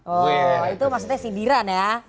oh itu maksudnya sindiran ya